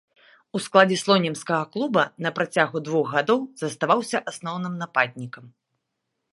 У складзе слонімскага клуба на працягу двух гадоў заставаўся асноўным нападнікам.